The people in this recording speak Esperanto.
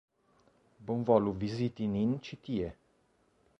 Bonvolu viziti nin ĉi tie!